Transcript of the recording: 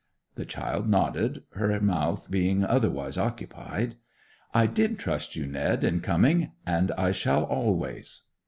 The child nodded, her mouth being otherwise occupied. 'I did trust you, Ned, in coming; and I shall always!